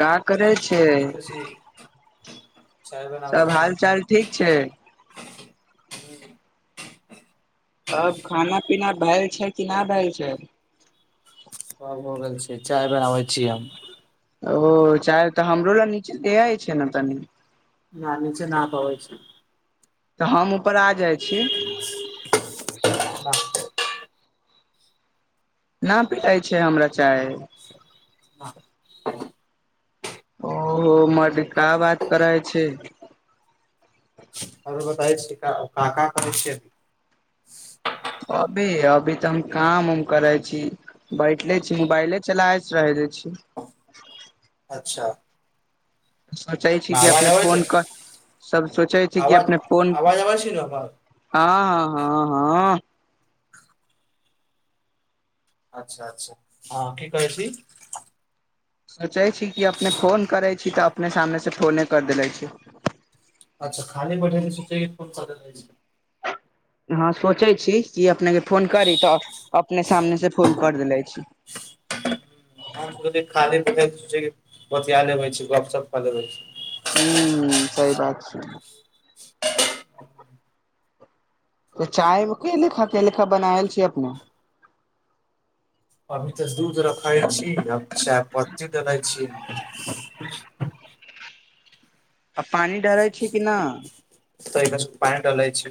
कहा करै छै। नमस्ते छी चाय बनाबै सभ छी हाल चाल ठीक छै। ह। अब खाना पीना भेल छै। कि नहि भेल छै। सभ भऽ गेल छै, चाय बनाबै छीयै हम ओ तऽ हमरो लए नचे छै, ने तनी निक छै, न पबै छै। तऽ हम ऊपर आ जाइ छै। ह। पिलइ छै, हमरा चाय ह। ओहो मर कऽ बात करै छै। तद शिका कऽ कैष्यती। अभी अभी तऽ हम काम उम करै छै। बैठले छी मोबाइले चला रह छै। अच्छा। सोचै छी कि आवाज अपने आबै छै फोन कऽ सभ सोचै छै कि आवाज अपने फोन। आवाज आबै छै ने हमर हँ, हँ, हँ, हँ। अच्छा, अच्छा, हँ कि कहै छै सोचै छी कि अपने फोन करै छै तऽ अपने सामने से फोने कर देले छी। अच्छा, खाली पैठैल सु फोन कर हँ सोचै छै कि अपनेके फोन करी तऽ अपने सामने से फोन कर देले छै। सो खाली पोया ले गपशप कऽ लेबे। हैं, सहि बात छै। तऽ चाय मे किया उत्ते लते लेखा के लेखा बनाएल छी अपने अभी तऽ दूध रखइ अछि, अच्छा पत्ती देलइ छै। आ पानी डालै छै, कि नहि। तऽ एक पान डालय छै।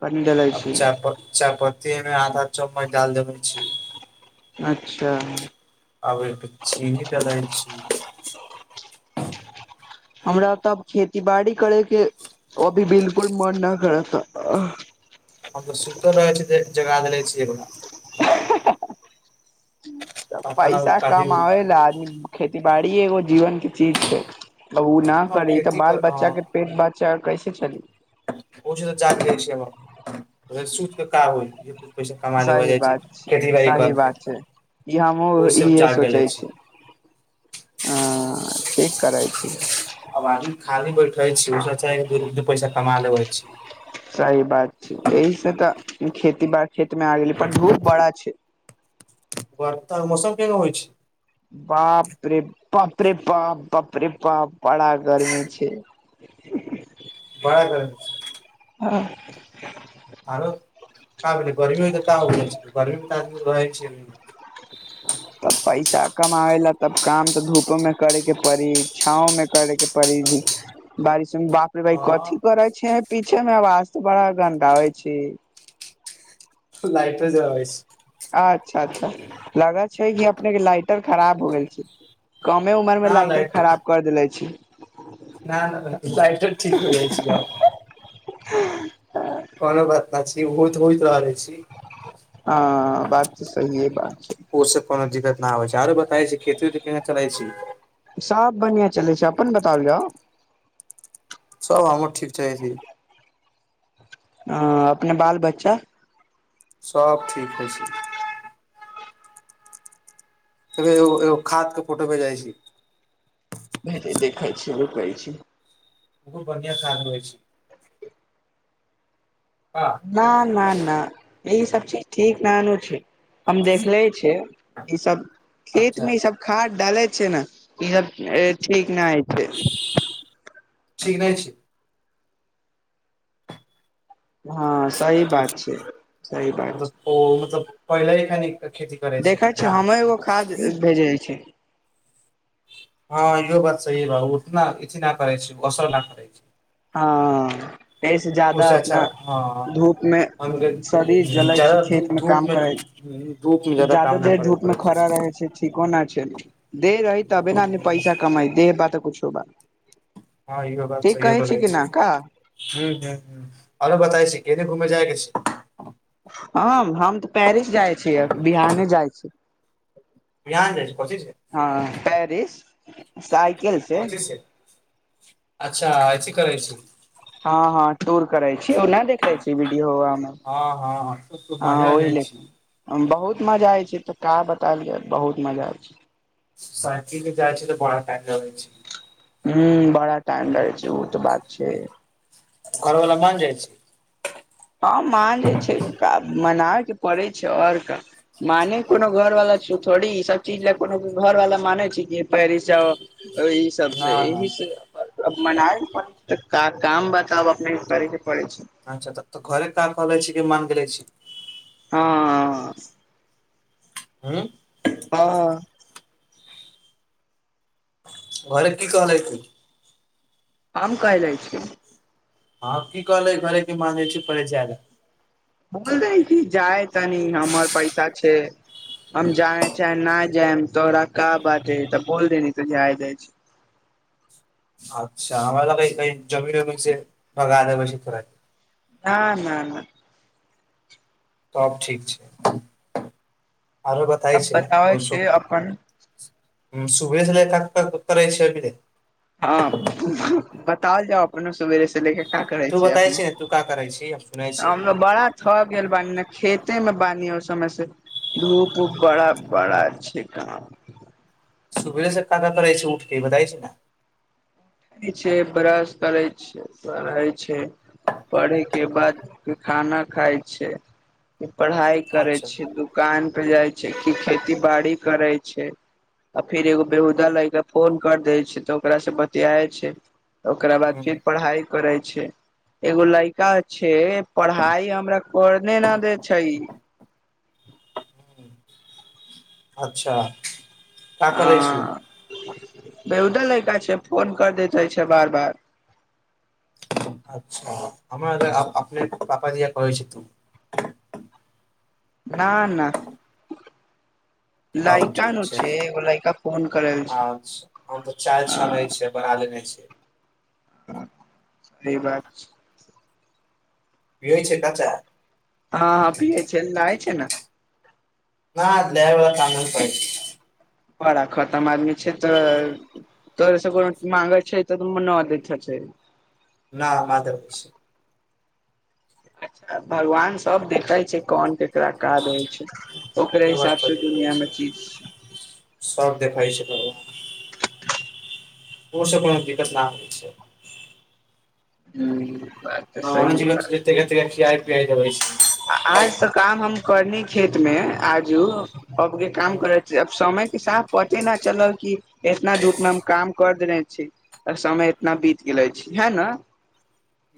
पानी डालै छी चार पक चापत्ती अमे आधा चम्मच डाल जमै छी। अच्छा। आबे छै [unintelligible] हमरा तऽ खेती बाड़ी करे कऽ ओ भी बिल्कूल मने खड़ा त हम सुत रह छै, जगा देलै छैगा। त पता न पैसा काफी कम लऽ आदमी खेती बाड़ी एगो जीवन के चीज छै बहु। न हम करि तऽ खेती कर बाल बच्चा के पेट बचा कैसे चली ओ छै, तऽ च छै, सुति कऽ होइ पैसा कम ले हो सही जाइ छै, बात खेती बाड़ी सही बात करते। छै ई हमहूँ इहे सोचै छै। आ, ठीक करै छी। अब आदमी खाली बैठे छै उ से अच्छा दू पैसा कमा लेबे छै। सही बात छै, एहि से तऽ खेती बऽ खेत मे आ गेले पर धूप बड़ा छै। वर्षा मौसम केहेन होइ छै बाप रे बाप रे पाप बाप रे पाप बड़ा गार्मि छै। [inaudible] बऽ हँ। आरो का बै गर्मीमे तऽ क हो गर्मीमे तऽ आदमी रहै छै। तब पैसा कमाबे ला तब काम तऽ धूपो मे करेके परड़ी छाओ मे करे के। परिधि। बारिश मे बाप रे बाइ कथी हँ करै छै, पीछे मे आवाज तऽ बड़ा गन्द हो छै। लाइटो जरबे रहबै छै। अच्छा अच्छा लगत छै, कि अपने के लाइटर खराब हो गेल छै। कमे उमर मे ना लाइटर खराब कर देले छै। नहि नहि लइटार ठीक हो जाइ छै आउ कोनो बात नहि छी ओहोत होइत रहले छी हँ, बात तऽ साहिये बात छै। ओ से कोनो दिक्कत न आब छै आर बताे छै खेती उेती केना चले छै। सभ बढ़िआ चलै छै अपन बताल यै। सभ हमर ठीक छैाह। आ, अपने बाल बच्चा सभ ठीक हइ छै। रौ खाद के फोटो भेज जाइ छी देखै छी रुकै छी। ओत बढ़िआ खाद होइ छै ह ना ना ना ई सभ चीज ठीक नानू छै। हम देखले छै ई सभ खेत अच्छा मे ई सभ। खाद डालै छै ने ई सभ ठीक ने हइ छै ठीक नहि छी हँ सही बात छै सही बात मतलब ओ मतलब छै, पहिले खनि खेती करै छै देखै छियै हम्हुँ एगो खाद भेजै छ हँ इहो बात सही बऽ उतना अथि नहि करे छै। असल नहि करे छै। हँ। एहि सँ छै जदा ओसे अपना अच्छा हँ धूपमे हमके शरीर जलै छै, जादा खेतमे धूप काम मे करै धूप मे जादा ज्याद काम नहि देर करे पड़ै ढूपमे खड़ा रहै छै ठीको नहि छै देह रही तबे नेद पैसा कमाई देह बातऽ कुछो बा हँ ईहो बात ठीक सहिए कहै बोलै कि छी न का ह, ह, आरो बताइ छी कने घूमै जायके छै हम, हम तऽ पेरिस जाइ छियै बिहाने जाइ छी बिहान जाइ छी कथी से हँ, पेरिस सयकिलसे कथी से अच्छा, अथि छी कर छी हँ, हँ, टूर करे छी नहि देख ले छी वीडियो मे हँ, हँ, तऽ हँ मजा ओहि जाइ ले छी बहुत मजा आय छै, तऽ का बताबय जाय बहुत मजा आय छै। साइकिल जाइ छै, तऽ बड़ा कए रहइ छै। हू बड़ा टाइम लै छै ओ तऽ बात छै घरवला मन जाइ छै हँ, मन जे छै मनाबयके पड़ै छै ओरका मान कोनो घर वाला छै थोड़ी ई सभ चीज लए कोनो घर वाला मानै छी पेरिस जा ई, हिसाब ना सँ ना एहि ह मनबे काम बताब अपने करै के पड़ै छै अच्छा तऽ तऽ घरे कऽ कहले छै, कि मान गेले छी। हाँ। हँ। हँ। घर कि कहलै तू। आम कइ लय छिये हँ, कि कहले घरेके मानै छी परे जादा बोल दे कऽ जाय तनी हमर पैसा छै। हम जाने छै नहि जायम तोरा क बात हत बोल दे तोझ छै। अच्छा हमरा लगे जमीन जमीन से बगा आ बैसी ख छै ना, ना। तब ठीक छै, आरो बताय अब छै बताबै कुछो छै अपन सुब छल लऽ कऽ कक रहै छैभी हँ, बताओ जाउ अपनो सवेरे से ले के करै तू छै, बताय अपने ने तू का करै छी हम सुनै छी हमरा अभी। बड़ा। गेल बानी ने खेतेमे बानी ओहि समयसे धूप बड़ा बड़ा छै काम सुबह से ताकत रहै छै उठके बतायै छै ना छै ब्रश करै छै पढ़ेके बाद खाना खाय छै, पढ़ाइ करै अच्छा छै दुख दुकान पे जाइ छै, कि खेती बाड़ी करै छै। आ फेर एगो बेहुदा लैका फोन कर देय छै तऽ ओकरा से त्य छै ओकरा बाद ह फिर पढ़ाई करै छै एगो लड़िका छै पढ़ाई हमरा करने न दे छै अच्छा का करै छी उ? हँ बेहुदा लैका छै फोन कर दैत रह छै बार बार अच्छा हमरा अपने पापा दिया कह छै थून ना ना तब लायका ठीक नु छै छैय लायका फोन करेल छै अच्छा हम तऽ चाय छानै ह छियै बना देने छै ह स [unintelligible] बात भ होइ छै कचा [unintelligible] हँ ह पियए छै लै छै न ना देबे बला नै करै छी। पड़ा खतम आदमी छै तऽ तोरस कोनो मांगै छै तऽ त न दैत हेतैय ना ना देबौ से [unintelligible] भगवान सब देखै छै कोन केकरा क दै छै ओकरे रउवा हिसाबसँ कहियो करै दुनिआमे छै। चीज छै सब देखाइ छै भगवान ओसे कोनो दिक्कत ना हो छै। ह बात तऽ स ही बात खियियाइ पिआइ देबै छै आज त काम हम करने खेत मे आजू अब के काम कर जे समय के साथ पते न चलल की एतना धूप मे हम काम क देने छीय समय इतना बीत गेल यछी ईहै न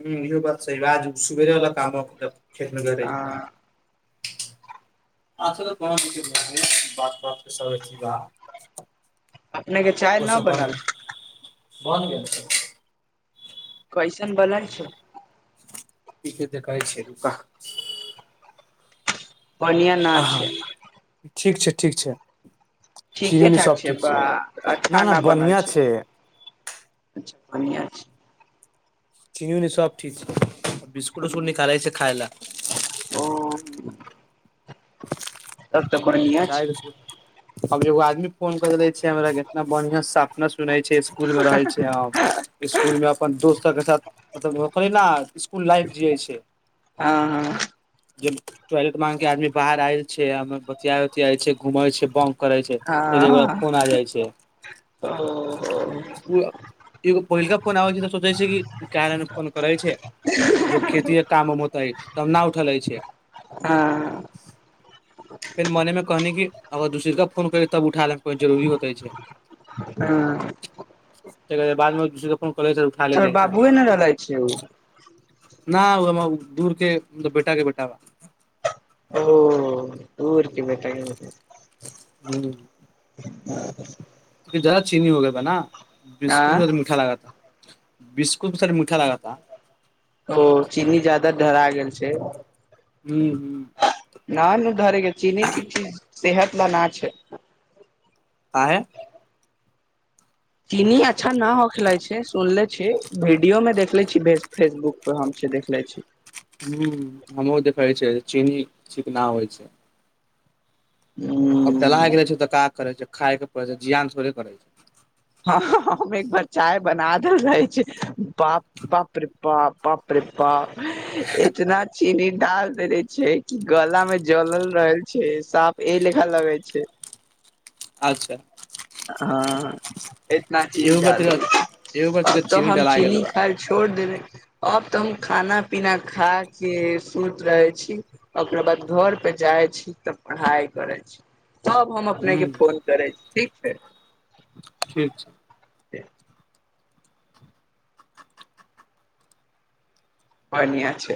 हू इहो बात सही आज सुबेरेला काम खेत गरैऽ [unintelligible] ओस पन अपने के चाय न बनल बन गेल [unintelligible] कैसन बनल छै ठीके देख द कहै छै रुका बढ़िया न छै आहँठीक छै ठीक छै चीनी ठीके उनी ठाक सब छै ठीक बा अच्छा ना ना न बनल बढ़िया छै अच्छा बनिआ छै चनि सब ठीक छै बिस्कुट उस्कुट निकालै छै खायइ ल हम [unintelligible] त त को [unintelligible] चाय बिस्कुट अब एगो आदमी फोन कर ले छै हमरा केतना बढ़िया अपना सुनै छै इसकुल मे रहै छै हम इसकुल मे अपन दोस्त सबके साथ मतलबकरै ने इसकुल लाइफ जे इ छै हँ हँ जे टॉयलेट मांग के आदमी बाहर आयैल छै बतिया उतिया छै घूम छै बम करै छै एगोरा हँ फोन आ जाइ छै ओ एगो पहिनका फोन आबै छै तऽ सोचे छै कि कन फोन करै छै जो खेतीे काम उम होतेै तब न उठलै रहल छै हँ फेर मने मे कहनी कि अगर दूसर केा फोन करी तब उठाय ले को जरुररी होते छै हँ कह बादमे दसर त कोन कॉज चोर बाबुए ने रहल छ ओ न उ हमरा दूर के मतलब बेटा के बेटा [unintelligible] ओ ऊरके बेटा हू [inaudible] ज्यादा चीनी हो गा न बिस्कुट आँ मीठा लगाता बिस्कुट सन मीठा [unintelligible] ओ चीनी जादा ढरा गेल छै। हू, हू। [unintelligible] कहे। चीनी अच्छा न हो खेल छै, सुनले छै वीडियो मे देखले छी फेसबुक हम छै, देख ले छी। हमहूँ देखे छियै चीनी चिकना होइ छै ह। अब लाय के रहे छै, तका कर छै, खाय के पड़े छै, जियान थोड़े करे छै। हँ, हम एक बार चाय बना देल रहे छै बाप रे बा बाप रे वाप इतना चीनी डाल दे रहे छै, कि गला मे जलल रहल छै साप ए लेखा लगे छै अच्छा। हँ, इतना चीनी एगो बार डाल दे तोरा एगो बार अब तोरा तो हम डला गेल चीनी बा खाइ छोड़ देले अब तऽ हम खाना पीना खा के सोच रहे छी। ओकरा बाद घरपे जाइ छी तऽ पढ़ाइ करै छी तब हम अपने के हूं फोन करै ठीक छै। ठीक छै। [inaudible] बढिया।